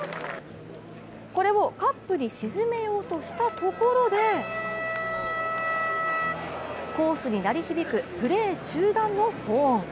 これをカップに沈めようとしたところでコースに鳴り響くプレー中断のホーン。